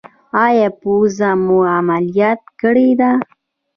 ایا پوزه مو عملیات کړې ده؟